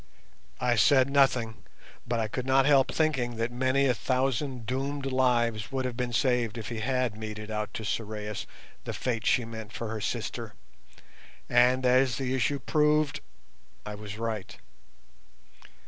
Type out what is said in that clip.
I said nothing, but I could not help thinking that many a thousand doomed lives would have been saved if he had meted out to Sorais the fate she meant for her sister. And, as the issue proved, I was right.